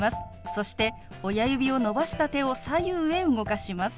そして親指を伸ばした手を左右へ動かします。